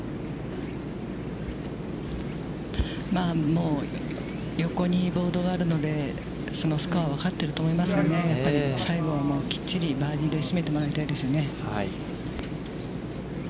もう横にボードがあるので、スコアは分かっていると思いますが、やっぱり最後は、きっちりバーディーで締めてもらいたいですよね。